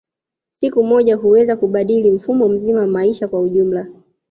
Siku moja huweza kubadili mfumo mzima wa maisha kwa ujumla